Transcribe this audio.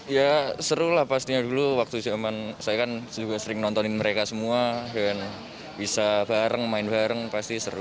ya seru lah pastinya dulu waktu zaman saya kan juga sering nontonin mereka semua dan bisa bareng main bareng pasti seru